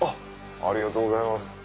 ありがとうございます